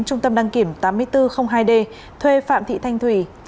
trung tâm đăng kiểm tám nghìn bốn trăm linh hai d thuê phạm thị thanh thủy